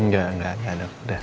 gak ada dokter